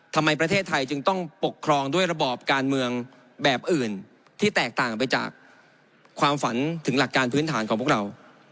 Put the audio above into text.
ทำไมประเทศไทยจึงต้องปกครองด้วยระบอบการเมืองแบบอื่นที่แตกต่างไปจากความฝันถึงหลักการพื้นฐานของพวกเรา